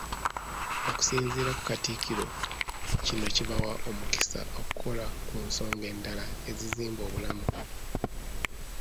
Okusinziira ku Katikkiro, kino kibawa omukisa okukola ku nsonga endala ezizimba obulamu.